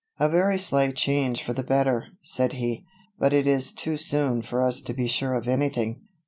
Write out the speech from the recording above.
"A very slight change for the better," said he, "but it is too soon for us to be sure of anything.